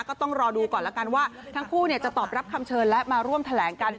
ก็ต้องรอดูก่อนแล้วกันว่าทั้งคู่จะตอบรับคำเชิญและมาร่วมแถลงกัน